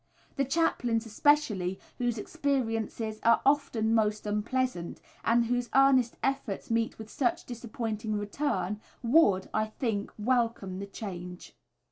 The chaplains especially, whose experiences are often most unpleasant; and whose earnest efforts meet with such disappointing return, would, I think, welcome the change.